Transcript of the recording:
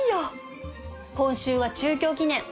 今週は中京記念